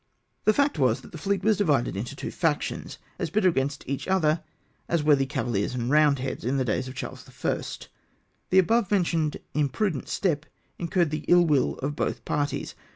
The fact was, that the fleet was divided into two factions, as bitter against each other as were the CavaHers and Eoundlieads in the days of Charles I. The above mentioned imprudent step incurred the ill will of both parties.